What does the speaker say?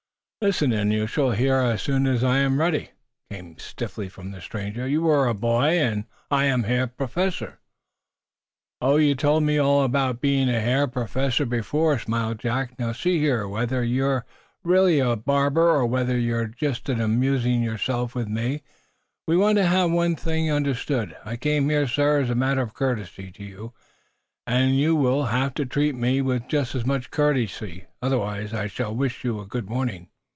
"Listen, and you shall hear, as soon as I am ready," came, stiffly, from the stranger. "You are a boy, and I am Herr Professor " "Oh, you told me all about being a hair professor before," smiled Jack. "Now, see here. Whether you're really a barber, or whether you're just amusing yourself with me, we want to have one thing understood. I came here, sir, as a matter of courtesy to you, and you will have to treat me with just as much courtesy. Otherwise, I shall wish you good morning."